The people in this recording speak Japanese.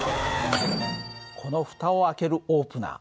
この蓋を開けるオープナー。